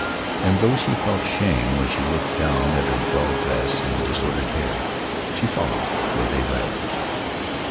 And though she felt shame when sh looked down at her dull dress and disordered hair, sh followed where they led.